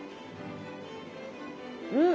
うん！